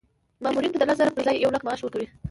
مامورینو ته د لس زره پر ځای یو لک معاش ورکوو.